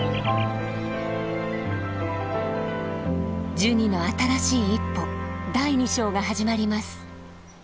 ジュニの新しい一歩第２章が始まります！